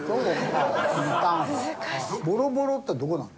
ボロボロってどこなの？